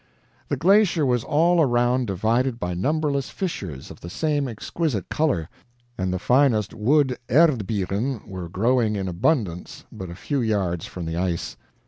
The glacier was all around divided by numberless fissures of the same exquisite color, and the finest wood ERDBEEREN were growing in abundance but a few yards from the ice.